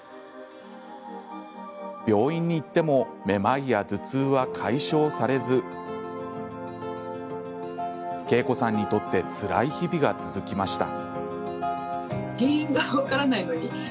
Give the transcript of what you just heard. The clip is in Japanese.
病院に行ってもめまいや頭痛は解消されずケイコさんにとってつらい日々が続きました。